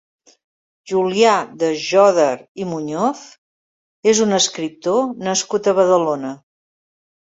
Julià de Jòdar i Muñoz és un escriptor nascut a Badalona.